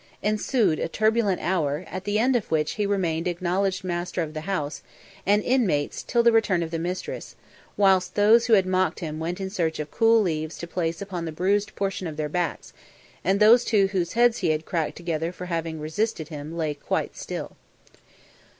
Ensued a turbulent hour, at the end of which he remained acknowledged master of the house and inmates until the return of the mistress, whilst those who had mocked him went in search of cool leaves to place upon the bruised portion of their backs and those two whose heads he had cracked together for having resisted him lay quite still.